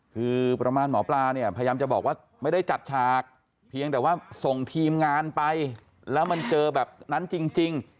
คือประมาณหมอปลาเนี่ยพยายามจะบอกว่าไม่ได้จัดฉากเพียงแต่ว่าส่งทีมงานไปแล้วมันเจอแบบนั้นจริง